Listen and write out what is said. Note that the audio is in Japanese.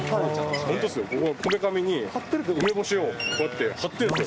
本当ですよ、こめかみに梅干しをこうやって貼ってるんですよ。